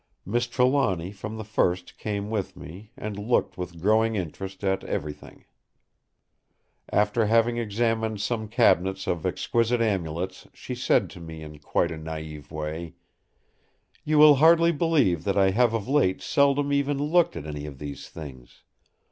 Miss Trelawny from the first came with me, and looked with growing interest at everything. After having examined some cabinets of exquisite amulets she said to me in quite a naive way: "You will hardly believe that I have of late seldom even looked at any of these things.